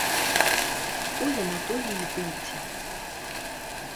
Тое на тое й выйдзе.